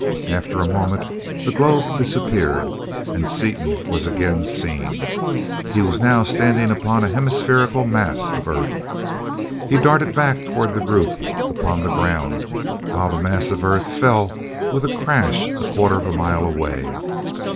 After a moment the globe disappeared and Seaton was again seen. He was now standing upon a hemispherical mass of earth. He darted back toward the group upon the ground, while the mass of earth fell with a crash a quarter of a mile away.